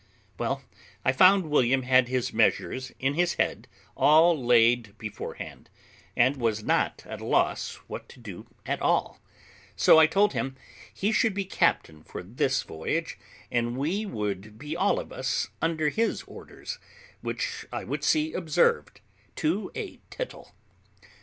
Well, I found William had his measures in his head all laid beforehand, and was not at a loss what to do at all; so I told him he should be captain for this voyage, and we would be all of us under his orders, which I would see observed to a tittle.